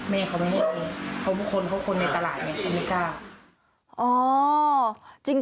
แม่เขาไม่กลัวเลยเขาเป็นคนในตลาดไม่กล้า